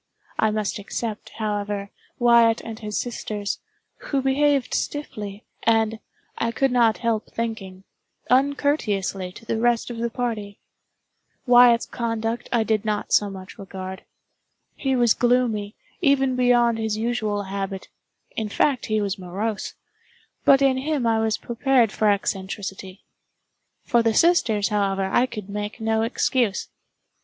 I must except, however, Wyatt and his sisters, who behaved stiffly, and, I could not help thinking, uncourteously to the rest of the party. Wyatt's conduct I did not so much regard. He was gloomy, even beyond his usual habit—in fact he was morose—but in him I was prepared for eccentricity. For the sisters, however, I could make no excuse.